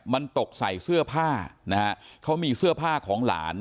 มันตกใส่เสื้อผ้านะฮะเขามีเสื้อผ้าของหลาน